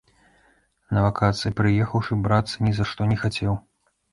На вакацыі прыехаўшы, брацца ні за што не хацеў.